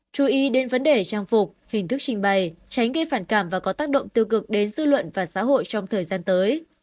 chú ý đến vấn đề trang phục hình thức trình bày tránh gây phản cảm và có tác động tiêu cực đến dư luận và xã hội trong thời gian tới